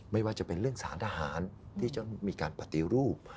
ไม่ว่าจะเป็นเรื่องสารทหารที่จะมีการปฏิรูป